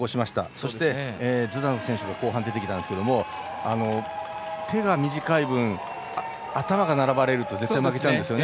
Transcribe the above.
そして、ズダノフ選手が後半出てきたんですが手が短い分、頭が並ばれると絶対負けちゃうんですよね。